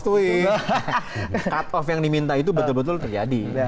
twing cut off yang diminta itu betul betul terjadi